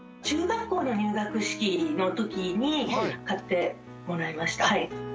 中学校の入学式の時に買ってもらいました。